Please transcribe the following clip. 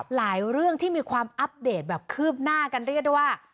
เรื่องที่มีความอัปเดตแบบคืบหน้ากันเรียกได้ว่า